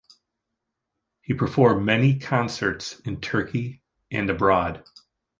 He performed many concerts in Turkey and abroad.